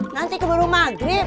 nanti keburu maghrib